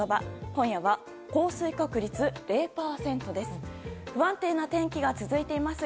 今夜は降水確率０％です。